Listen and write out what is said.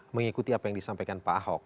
mengikuti apa yang disampaikan pak ahok